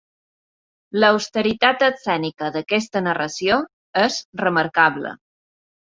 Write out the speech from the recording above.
L'austeritat escènica d'aquesta narració és remarcable.